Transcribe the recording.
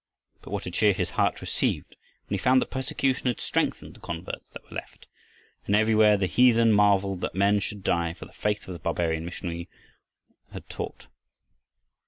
But what a cheer his heart received when he found that persecution had strengthened the converts that were left and everywhere the heathen marveled that men should die for the faith the barbarian missionary had taught.